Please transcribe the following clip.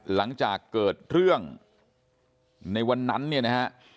หลังจากเกิดเรื่องในวันนั้นเนี่ยนะฮะ